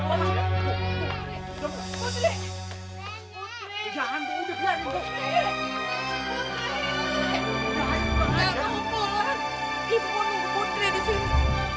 ibu mau nunggu putri di sini